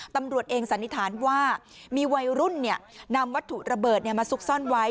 ตำรวจเองสันนิษฐานว่ามีวัยรุ่นนำวัตถุระเบิดมาซุกซ่อนไว้